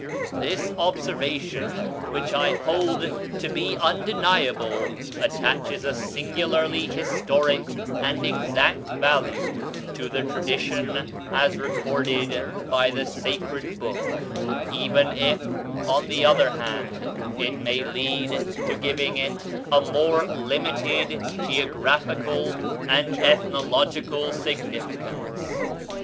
This observation, which I hold to be undeniable, attaches a singularly historic and exact value to the tradition as recorded by the Sacred Book, even if, on the other hand, it may lead to giving it a more limited geographical and ethnological significance....